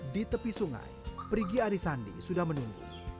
di tepi sungai perigi arisandi sudah menunggu